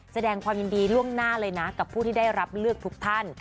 แสดงความยินดีล่วงหน้าเลยนะกับผู้ที่ได้รับเลือกทุกท่าน